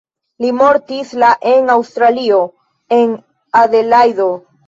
Li mortis la en Aŭstralio en Adelajdo.